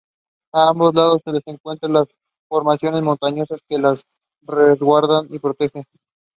Other parties are only listed if they garnered electoral college votes.